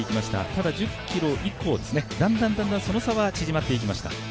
ただ１０ｋｍ以降、だんだんその差は縮まっていきました。